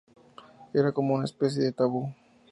Era como una especie de "tabú".